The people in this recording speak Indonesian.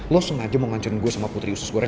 lo sengaja mau ngancurin gue sama putri usus goreng